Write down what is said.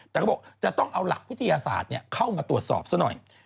แต่เขาบอกจะต้องเอาหลักวิทยาศาสตร์เข้ามาตรวจสอบซะหน่อย